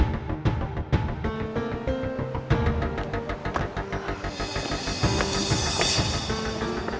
kepala pemerintah gouw